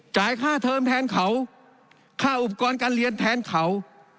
จ่ายค่าเทอมแทนเขาค่าอุปกรณ์การเรียนแทนเขา